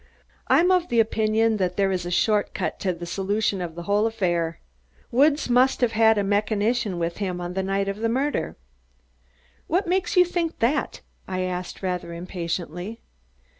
"I'm of the opinion that there is a short cut to the solution of the whole affair. Woods must have had a mechanician with him on the night of the murder." "What makes you think that?" I asked rather impatiently.